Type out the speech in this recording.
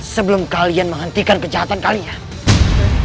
sebelum kalian menghentikan kejahatan kalian